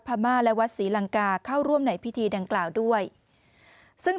พม่าและวัดศรีลังกาเข้าร่วมในพิธีดังกล่าวด้วยซึ่ง